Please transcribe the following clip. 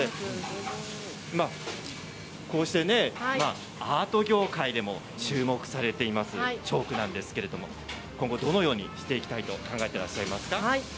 こうしてアート業界でも注目されていますチョークなんですけれど今後どのようにしていきたいと考えていますか？